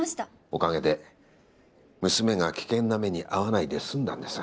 おかげで娘が危険な目に遭わないで済んだんです。